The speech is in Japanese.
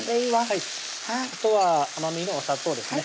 あとは甘みのお砂糖ですね